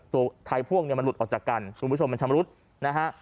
ตัวไทยพ่วงเนี่ยมันหลุดออกจากกันคุณผู้ชมมันชำรุดนะฮะ